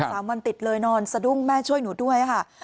สามวันติดเลยนอนสะดุ้งแม่ช่วยหนูด้วยค่ะ